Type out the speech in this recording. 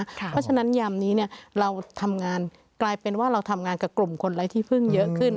เพราะฉะนั้นยำนี้เราทำงานกลายเป็นว่าเราทำงานกับกลุ่มคนไร้ที่พึ่งเยอะขึ้น